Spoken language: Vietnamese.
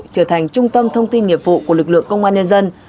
trở thành trung tâm thông tin nghiệp vụ của lực lượng công an nhân dân